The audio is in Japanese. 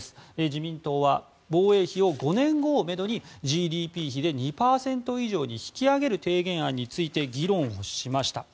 自民党は防衛費を５年後をめどにＧＤＰ比で２％以上に引き上げる提言案について議論をしました。